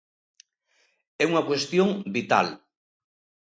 É unha cuestión vital.